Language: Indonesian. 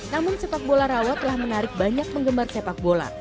namun sepak bola rawa telah menarik banyak penggemar sepak bola